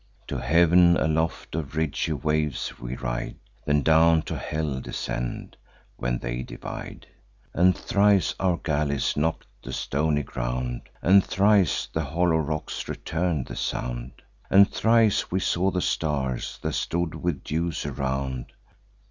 To heav'n aloft on ridgy waves we ride, Then down to hell descend, when they divide; And thrice our galleys knock'd the stony ground, And thrice the hollow rocks return'd the sound, And thrice we saw the stars, that stood with dews around.